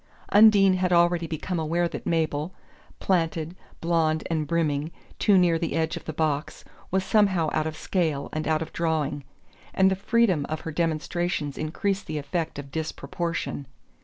Undine had already become aware that Mabel, planted, blond and brimming, too near the edge of the box, was somehow out of scale and out of drawing; and the freedom of her demonstrations increased the effect of disproportion.